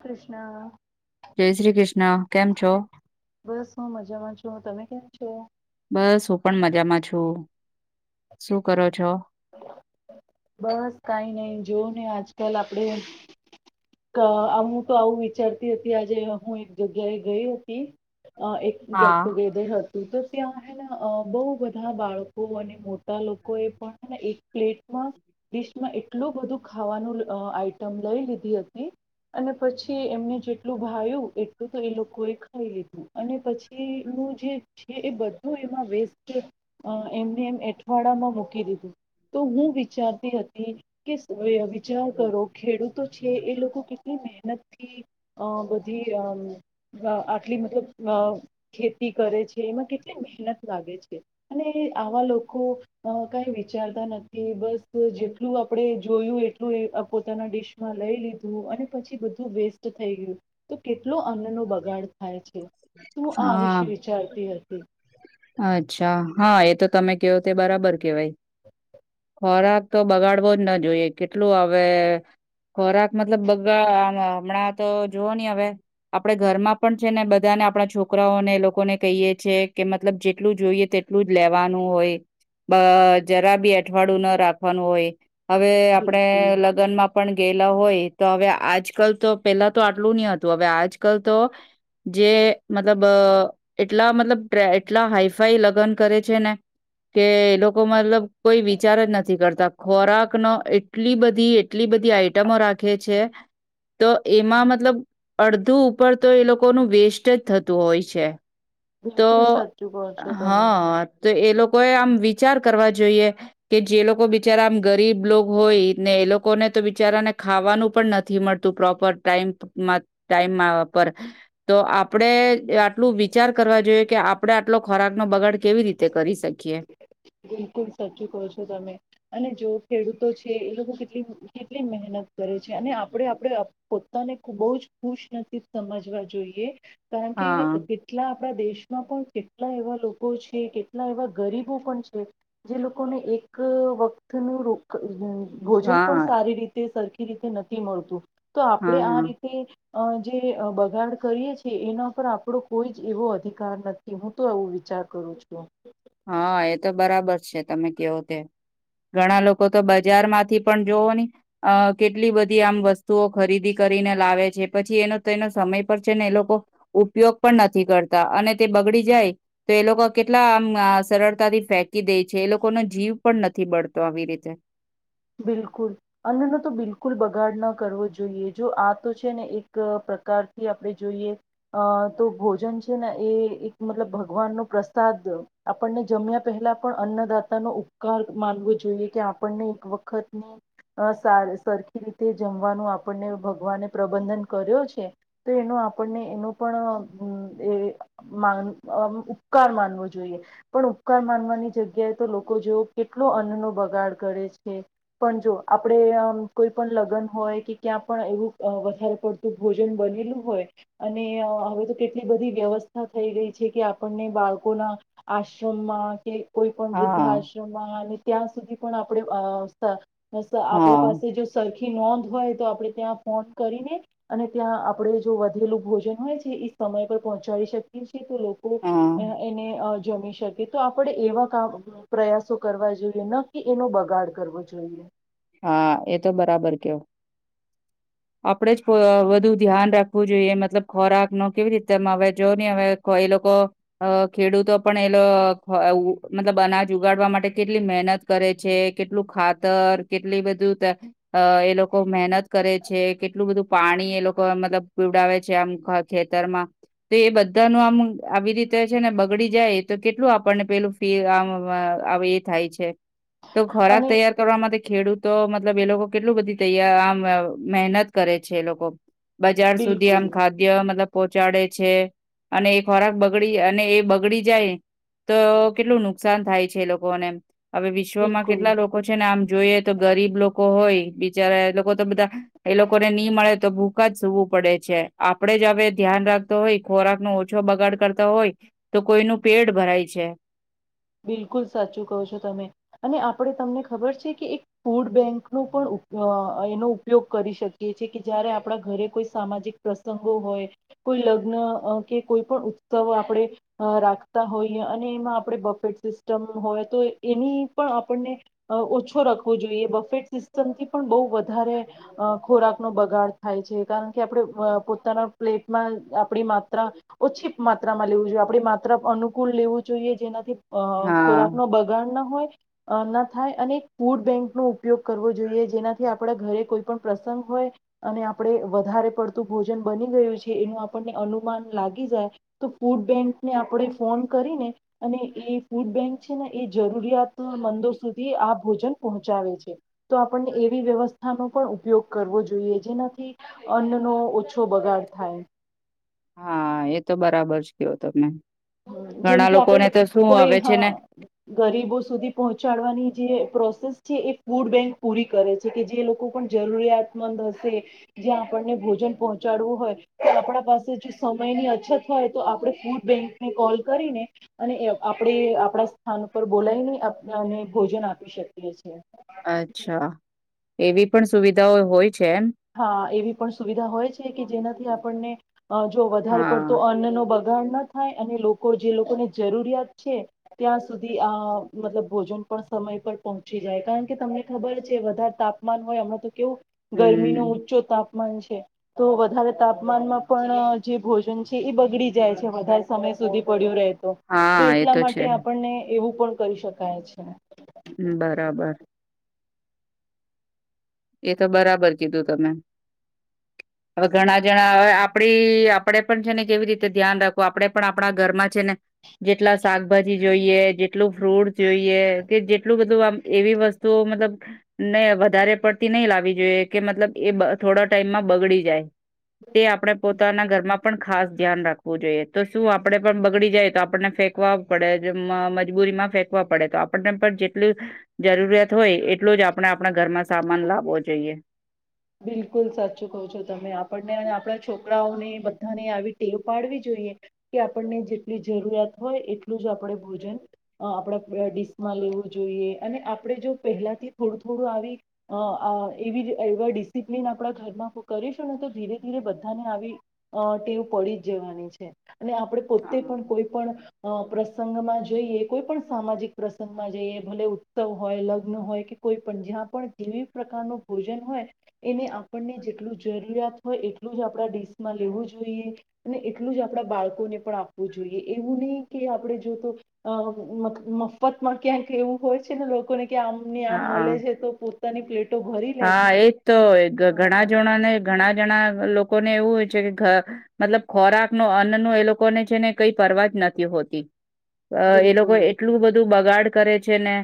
કૃષ્ણા જય શ્રી ક્રિષ્ણ, કેમ છો? છે બસ હું પણ મજામાં છું, શું કરો છો? બસ કાંઈ નઈ જોવોને આજકાલ આપડે ક હું તો આવું વિચારતી અતી આજે હું એક જગ્યાએ ગઈ હતી. અ એક ગેટ હા ટુગેધર હ તો ત્યાં હેને અ બઉ બધા બાળકો અને મોટા લોકો એ પણને એક પ્લેટમાં ડિશમાં એટલું બધું ખાવાનું લ આઈટમ લઈ લીધી અ ને અને પછી એમને જેટલું ભાયું એટલું તો એ લોકો એ ખાઈ લીધું અને પછી નું જે છે એ બધું એમાં વેસ્ટ એમને એમ એંઠવાડામાં મૂકી દીધું તો હું વિચારતી હતી કે સ વિચાર કરો ખેડૂતો છે એ લો કો કેટલી મહેનત થી અં બધી અમ અ આટલી મતલબ અ ખેતી કરે છે એમાં કેટલી મહેનત લાગે છે અને આવા લોકો અ કાંઈ વિચારતા નથી બસ જેટલું આપડે જોયું એટલું એ પોતાના ડીશમાં લઈ લીધું અને પછી બધું વેસ્ટ થઈ ગયું તો કેટલો અન્નનો બગાડ થાય છે. તું આ હા વિશે વિચારતી હતી. અચ્છા, હા એ તો તમે કેવો તે બરાબર કેવાય. ખોરાક તો બગાડવો જ ના જોઈએ કેટલું હવે ખોરાક મતલબ બગાવમા હમણાં તો જુવો ને હવે આપડે ઘરમાં પણ છે ને બ ધાને આપણા છોકરાઓને એ લોકોને કહીએ છીએ કે મતલબ જેટલું જોઈએ તેટલું જ લેવાનું હોય બ જરા બી એઠવાડયું ના રાખવાનું હોય હવે બિલકુલ આપણેે લગ્નમાં પણ ગયેલા હોય તો હવે આજકલ તો પેલા તો આટલું નહીં હતું હવે આજકલ તો જે મતલબ એટલા મતલબ એટલા હાઈફાઈ લગ્ન કરે છે ને કે એ લોકો મતલબ કોઈ વિચાર જ નથી કરતા ખોરાકનો એટલી બધી એટલી બધી આઈટમો રાખે છે તો એમાં મતલબ અડધું ઉપર તો એ લો કોનું વેસ્ટ જ થતું હોય છે. બિલકુલ તો સાચું કહો છો તમે હઅ અતો એ લોકો તોય આમ વિચાર કરવા જોઈએ કે જે લોકો બિચારા આમ ગરીબ લોક હોય ને એ લોકોને તો બિચારાને ખાવાનું પણ નથી મળતું પ્રોપર ટાઈમ માં ટાઈમમાં પર તો આપણેે આટલું વિચાર કરવા જોઈએ કે આપણે આટલો ખોરાકનો બગાડ કેવી રીતે કરી શકીએ. બિલકુલ સાચું કહો છો તમે અને જો ખેડૂતો છે એ લોકો કેટલી કેટલી મહેનત કરે છે અને આપણે આપણે પોતાને બહ જ ખુશનસીબ સમજવા જોઈએ કારણ કે હા કેટલા આપણા દેશમાં પણ કેટ લા એવા લોકો છે કેટલા એવા ગરીબો પણ છે. લોકોને એક વખત નું રોક, હમ્મ ભોજન પણ હા સારી રીતે સર ખી રીતે નથી મળતું. તો આપણેે આ હા રીતે અ જે બગાડ કરીએ છીએ એના પર આપડો કોઈ જ એવો અધિકાર નથી હું તો આવું વિચાર કરું છું. હા, એ તો બરાબર છે. તમે કેવો તે ઘણા લોકો તો બ જયારમાંથી પણ જોવો ને અ કેટલી બધી આમ વસ્તુઓ ખરીદી કરીને લાવે છે પછી એનો તો એનો સમય પર છે ને એ લોકો ઉપયોગ પણ નથી કરતા અને તે બગડી જાય તો એ લોકો કેટલા આમ સરળતાથી ફેંકી દે છે એ લોકોનો જીવ પણ નથી બળતો આવી રીતે. બિલકુલ અન્નનો તો બિલકુલ બગાડ ના કરવો જોઈએ જો આ તો છે ને એક પ્રકારથી આપડે જોઈએ અહ તો ભોજન છે ને એ એક મતલબ ભગવાનનો પ્રસાદ આપણને જમ્યા પહેલા પણ અન્નદાતાનો ઉપકાર માનવો જોઈએ કે આપણને એક વત વખતની અહ સા સરખી રીતે જમવાનું આપણને ભગવાને પ્રબંધન કર્યો છે તો એનો આપણને એનો પણ અહ એન ઉપકાર માનવો જોઈએ પણ અહ આમ ઉપકાર માનવાની જગ્યાએ તો લોકો જો કેટલો અન્નનો બગાડ કરે છ છે. પણ જો આપણેે કોઈ પણ લગ્ન હોય કે ક્યાં પણ એવું અહ વધારે પડતું ભોજન બનેલું હોય અને અહ હવે તો કેટલી બધી વ્યવસ્થા થઈ ગઈ છે કે આપણને બાળકોના આશ્રમમાં કે કોઈ પણ હા વૃદ્ધા આશ્રમમાં ને ત્યાં સુધી પણ આ અ સ અસ આપડે હા પાસે જો સરખી નોંધ હોય તો આપણે ત્યાં ફોન કરીને અને ત્યાં આપણે જો વધેલું ભોજન હોય છે એ સમય પર પહોંચાડી શકીએ છે તો લોકો હા અ એને અ જમી શકે, તો આપણેે એવા કામ પ્રયાસો કરવા જોઈએ ન કે એનો બગ ગાડ કરવો જોઈએ. હા એ તો બરાબર કેયો, આપડે જ પ્રો વધુ ધ્યાન રાખવું જોઈએ મતલબ ખોરાક નો કેવી રીતે અમ જોવો ને કોઈ લોકો અ ખેડૂતો પણ એ મતલબ અનાજ ઉગાડવા માટે કેટલી મહેનત કરે છે, કેટલું ખાતર કેટલી બધું ત અ એ લોકો મહેનત કરે છે, કેટલું બધું પાણી એ લોકો મતલબ પીવડાવે છે આમ ખેતરમાં, તો એ બધાનું આમ આવી રીતે છે ને બગડી જાય, તો કેટલું આપણને પેલું ફી આમ અ અ અવ એ થાય છે. તો ખોરાક અને તૈયાર કરવા માંતે ખેડૂતો મતલબ એ લોકો કેટલું બધી તૈયા આમ મહેનત કરે છે એ લોકો. બજાર સુધી આમ બિલકુલ ખાદ્ય મતલબ પોહચાડે. છે, અને એ ખોરાક બગડી અને એ બગડી જાય, તો કેટલું નુકસાન થાય છે એ લોકોને. હવે વિશ્વમાં બિલકુલ કેટલા લોકો છે ને આમ જોઈએ તો ગરીબ લોકો હોય, બિચારા એ લોકો તો બધા એ લોકોને ની મળે તો ભૂખા જ સૂવું પડે છે, આપણેે જ હવે ધ્યાન રાખતો હોય ખોરાક નો ઓછો બગાડ કરતો હોય, તો કોઈનું પેટ ભરાય છે. બિલકુલ સાચું કહો છો તમે, અને આપણે તમને ખબર છે કે એક ફૂડ બેંક નુ પણ ઉપ એનો ઉપયોગ કરી શકીએ છે, કે જ્યારે આપણા ઘરે કોઈ સામાજિક પ્રસંગો હોય, કોઈ લગ્ન કે કોઈ પણ ઉત્સવ આપણે રાખતા હોઈએ અને એમાં આપણે બ ફેટ સિસ્ટમ હોય તો એની પણ આપણને ઓછો રાખવો જોઈએ, બફેટ સિસ્ટમથી પણ બહુ વધારે ખોરાકનો બગાડ થાય છે, કારણ કે આપણે પોતાના પ્લેટમાં આપણી માત્રા ઓછી માત્રામાં લેવું જોઈએ આપણી માત્રા અનુકૂળ લેવું જોઈએ જેનાથી અ હા ખોરાક નો બગાડ ના થાય ન થાય અને ફૂડ બેંક નો ઉપયોગ કરવો જોઈએ જેનાથી આપડા ઘરે કોઈ પણ પ્રસંગ હોય અને આપણે વધારે પડતું ભોજન બની ગયું છે એનું આપણને અનુમાન લાગી જાય, તો ફૂડ બેંકને આપણે ફોન કરીને અને એ ફૂડ બેંક છે ને એ જરૂરિયાત મંદો સુધી આ ભોજન પોહચાવે છે. તો આપણને એવી વ્યવસ્થાનો પણ ઉ પયોગ કરવો જોઈએ જેનાથી અન્નનો ઓછો બગાડ થાય. હા, એ તો બરાબર જ કેવો તમે. જેમ ઘણા કે લોકોને આપડે તો શું કોઈ હવે છે હા, ને ગરીબો સુધી પહોંચાડવાની જે પ્રોસેસ છે એ ફૂડ બેંક પૂરી કરે છે, કે જે લોકો પણ જરૂરિયાતમંદ હશે, જ્યાં આપણને ભોજન પહોંચાડવું હોય તો આપણા પાસે જો સમયની અછત હોય તો આપણે ફૂડ બેંક ને કોલ કરીને અને એ આપણે આપણા સ્થાન ઉપર બોલાવીને આપ અને ભોજન આપી શકીએ છીએ. અચ્છા, એવી પણ સુવિધાઓ હોય છે એમ? હા એવી પણ સુવિધા હોય છે કે જેનાથી આપણને જો વધારે પડતો હા અન્નનો બ ગાડ ન થાય અને લોકો જે લોકોને જરૂરિયાત છે, ત્યાં સુધી આ મતલબ ભોજન પણ સમય પર પહોંચી જાય, કારણ કે તમને ખબર છે વધારે તાપમાન હોય હમણાં તો કેવું ગર મીનો હમ ઉચ્ચો તાપ મન છે, તો વધારે તાપમાનમાં પણ જે ભોજન છે એ બગડી જાય છે વધારે સમય સુધી પડ્યું રેહ તો, તે હા એ એટલા તો માટે છે હમ્મ, આપણને એવું પણ કરી શકાય છે. હમ્મ બરાબર. એ તો બરાબર કીધું તમે. હવે ઘણા જણા હવે આપડી આપણેે પણ છે ને કેવી રીતે ધ્યાન રાખું આપણે પણ આપણા ઘરમાં છે ને જેટલા શાકભાજી જોઈએ, જેટલું ફ્રૂટ જોઈએ, કે જેટલું બધું આમ એવી વસ્તુઓ મતલબ ને વધારે પડ તે નહી લાવી જોઈએ કે મતલબ એ બ થોડા ટાઈમમાં બગડી જાય. તે આપડે પોતાના ઘરમાં પણ ખાસ ધ્યાન રાખવું જોઈએ તો શું આપડે પણ બગડી જાય તો આપણને ફેંકવા પડે જેમ આ મજબૂરીમાં ફેંકવા પડે તો આપણને પણ જેટલું જરૂરિયાત હોય એટલું જ આપણે આપણા ઘરમાં સા માન લાવો જોઈએ. બિલકુલ સાચું કહો છો તમે આપણને આપડા છોકરાઓને બધાને આવી ટેવ પાડવી જોઈએ કે આપણને જેટલી જરૂરિયાત હોય એટલું જ આપડે ભોજન અહ આપડા ડીશમાં લેવું જોઈએ અને આપડે જો પહેલાથી થોડું થોડું આવી અહ આહ એવી અહ એવા ડીસ સિપલીન આપડા ઘરમાં કરીશું ને તો ધીરે ધીરે બધાને અહ આવી ટેવ પડી જ જવાની છે. અને આપડે પોતે હા પણ કોઈ પણ અહ પ્રસંગમાં જઈએ કોઈ પણ સામાજિક પ્રસંગમાં જઈએ ભલે ઉત્સવ હોય લગ્ન હોય કે કોઈ પણ જ્યાં પણ જેવી પ્રકાર નો ભોજન હોય એને આપણને જેટલું જરૂરિયાત હોય એટલું જ આપડા ડીશમાં લેવું જોઈએ અને એટલું જ આપડા બાળકોને પણ આપવું જોઈએ એવું નહી કે આપડે જો તો અહ મ-મફતમાં ક્યાંક એવું હોય છે ને લોકોને કે આમની ને આમ હા. મલે છે તો પોતાની પ્લેટો ભરી લે હા છે એજ તોય ઘ ઘણા હા જણા ને ઘણા જણા લોકોને એવું હોય છે કે મતલબ ખોરાક નો અન્ન નો એ લોકોને છે ને કઈ પરવા જ નથી હોતી. અ એ લોકો બિલકુલ એટલું બધું બ ગાડ કરે છે ને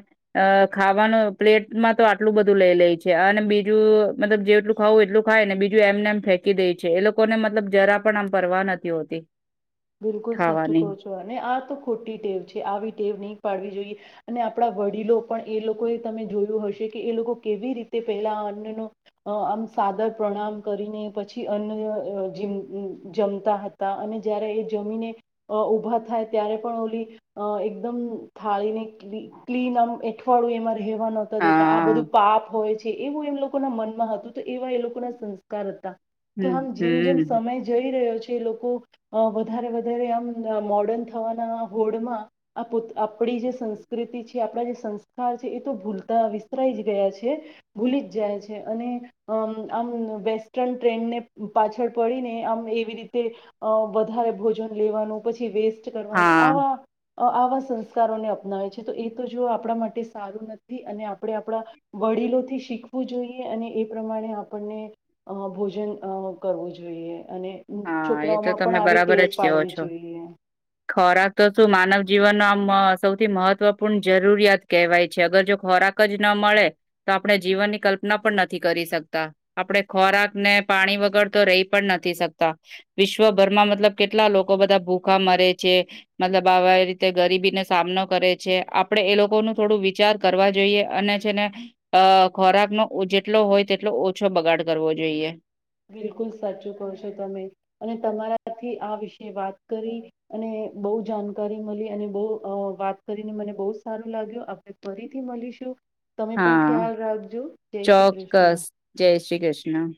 અ ખાવાનું પ્લેટમાં તો આટલું બધું લઈ લે છે. અને બીજું મતલબ જેટલું ખાવું એટલું ખાય ને બીજું એમને એમ ફેંકી દે છે એ લોકોને મતલબ જરા પણ આમ પરવા નથી હોતી. બિલકુલ સાચું ખાવાની કોહો છો અને આ તો ખોટી ટેવ છે આવી ટેવ નહીં પાડવી જોઈએ અને આપણા વડીલો પણ એ લોકોએ તમે જોયું હશે કે એ લોકો કેવી રીતે પેલા અન્ન નો આમ સાદર પ્રણામ કરીને પછી અન્ન જેમ જમતા હતા અને જય્યારે એ જમીને અ ઉભા થાય ત્યારે પણ ઓલી એકદમ થાળીને ક્લી ક્લીન આમ એઠવાડું એમાં રહેવા નહતા દેતા આ હા બધું પાપ હોય છે એવું એ લોકો ના મનમાં હતું તો એવા એ લોકો ના સંસ્કાર હતા. તો હમ આમ જેમ જેમ હમ સમય જઈ રહ્યો છે જે લોકો અ વ ધારે વધારે આમ મોર્ડન થવાના હોડમાં આ પોત આપણી જે સંસ્કૃતિ છે. આપણા જે સંસ્કાર છે એ તો ભૂલ તા વિસ્તરાઈ જ ગયા છે. ભૂલી જ જાય છે અને અમ આમ વેસ્ટર્ન ટ્રેન્ડને પાછળ પડીને આમ એવી રીતે અ વધારે ભોજન લેવાનો પછી વેસ્ ટ કરવાનું હા આવો આ અ આવા સંસ્કારોને અપનાવે છે તો એ તો જો આપણા માટે સારું નથી અને આપણે આપણા વડીલોથી શીખવું જોઈએ અને એ પ્રમાણે આપણને અ ભોજન અ કરવું જોઈએ. અને અમ હા એ તો છોકરાઓમાં પણ તમે આવી બરાબર ટેવ જ કહો પાડવી છો જોઈએ. ખોરાક તો શું માનવ જીવનનો આમ સૌથી મહત્વપૂર્ણ જરૂરિયાત કહેવાય છે અગર જો ખોરાક જ ન મળે તો આપણે જીવનની કલ્પના પણ નથી કરી શકતા આપણે ખોરાકને પાણી વગર તો રહી પણ નથી શક વિશ્વભરમાં મતલબ કેટલા લોકો બધા ભૂખા મરે છે, મતલબ આવા રીતે ગરીબીને સામનો કરે છે, આપડે એ લોકો ન થોડું વિચાર કરવા જોઈએ અને છેને ખોરાકનોો જેટલો હોય તેટલો ઓછો બગાડ કરવો જોઈએ. બિલકુલ સાચું ક છો તમે અને તમારાથી આ વિશે વાત કરી અને બહુ જાણકારી મળી અને બહુ વાત કરીને મને બહુ સારું લાગ્યું આપણે ફરીથી મળીશું. તમે પણ હા ખ્યાલ રાખજો જય શ્રી કૃષ્ણ. ચોક્કસ જય શ્રી કૃષ્ણ.